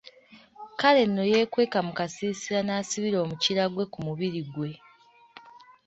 Kale nno yeekweka mu kasiisira n'asibira omukira gwe ku mubiri gwe .